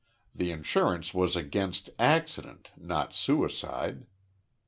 The insurance was against accident not suicide.